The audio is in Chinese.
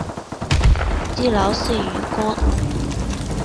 积劳卒于官。